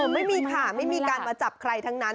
ไม่มีค่ะไม่มีการมาจับใครทั้งนั้น